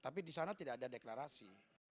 tapi disana tidak ada deklarasi